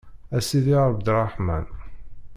A Sidi Ɛebderreḥman.